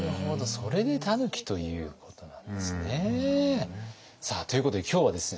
それで「たぬき」ということなんですね。ということで今日はですね